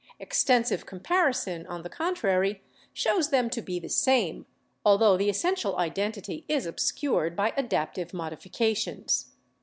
Extensive comparison, on the contrary, shows them to be the same, altho the essential identity is obscured by adaptive modifications.